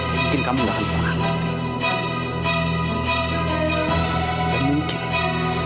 mungkin kamu gak akan pernah mengerti